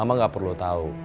mama nggak perlu tahu